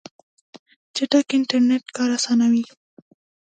چټک انټرنیټ کار اسانوي.